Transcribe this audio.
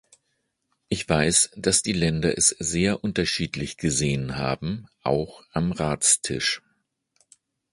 Ich weiß, dass die Länder es sehr unterschiedlich gesehen haben, auch am Ratstisch.